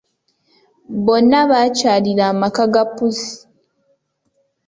Bonna bakyalira amaka ga pussi.